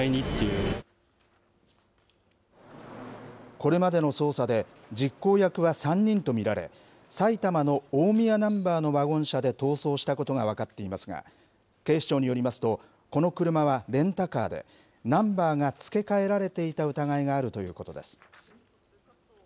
これまでの捜査で、実行役は３人と見られ、埼玉の大宮ナンバーのワゴン車で逃走したことが分かっていますが、警視庁によりますと、この車はレンタカーで、ナンバーが付け替えられていた疑いがあるということです。